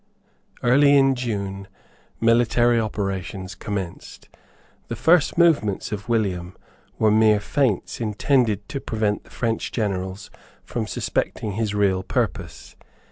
Early in June military operations commenced. The first movements of William were mere feints intended to prevent the French generals from suspecting his real purpose.